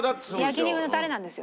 焼肉のタレなんですよ。